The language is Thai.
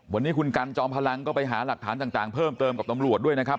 วันนี้คุณกันจอมพลังก็ไปหาหลักฐานต่างเพิ่มเติมกับตำรวจด้วยนะครับ